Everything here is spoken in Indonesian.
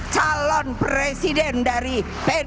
calon presiden dari pdi perjuangan